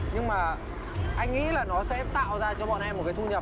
nhưng mà anh nghĩ là nó sẽ tạo ra cho bọn em một cái thu nhập